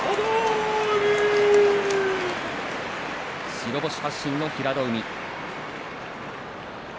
白星発進の平戸海。